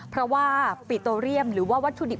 เพราะว่าปิโตเรียมหรือว่าวัตถุดิบ